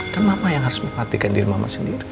kan apa yang harus memperhatikan diri mama sendiri